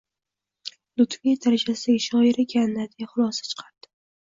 — Lutfiy darajasidagi shoir ekan-da, — deya xulosa chiqardi.